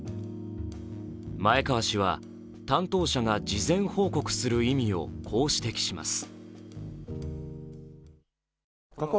前川氏は担当者が事前報告する意味をこう指摘します。